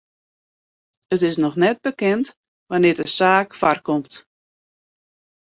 It is noch net bekend wannear't de saak foarkomt.